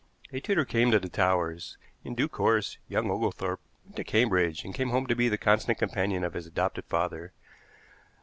A tutor came to the Towers; in due course young Oglethorpe went to Cambridge, and came home to be the constant companion of his adopted father.